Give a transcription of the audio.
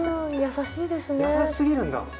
優し過ぎるんだ。